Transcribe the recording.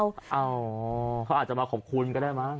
เขาอาจจะมาขอบคุณก็ได้มั้